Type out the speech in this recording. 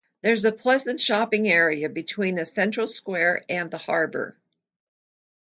There is a pleasant shopping area between the central square and the harbour.